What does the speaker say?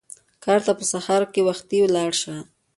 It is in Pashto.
کار ته په سهار کې وختي لاړ شه.